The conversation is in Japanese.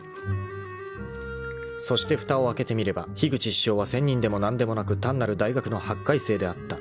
［そしてふたを開けてみれば樋口師匠は仙人でも何でもなく単なる大学の８回生であった］